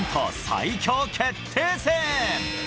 最強決定戦。